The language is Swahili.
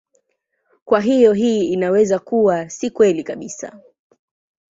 Kwa hiyo hii inaweza kuwa si kweli kabisa.